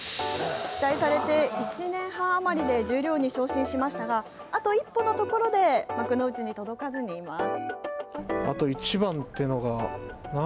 期待されて１年半余りで十両に昇進しましたが、あと一歩のところで、幕内に届かずにいます。